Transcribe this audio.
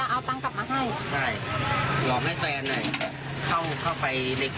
สรุปแล้วตังค์ที่แรกไปพร้อมกับที่บอกเข้าก๋วยเตี๋ยว